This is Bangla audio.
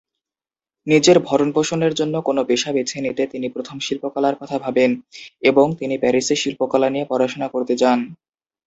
নিজের ভরণপোষণের জন্য কোন পেশা বেছে নিতে তিনি প্রথম শিল্পকলার কথা ভাবেন, এবং তিনি প্যারিসে শিল্পকলা নিয়ে পড়াশোনা করতে যান।